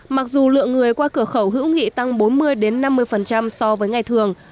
mặc dù lượng người qua cửa khẩu hữu nghị tăng bốn mươi năm mươi so với ngày thường